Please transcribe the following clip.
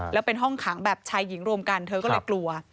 แล้วเป็นห้องขังแบบชายหญิงรวมกันเธอก็เลยกลัว